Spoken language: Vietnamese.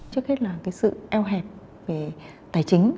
trước hết là cái sự eo hẹp về tài chính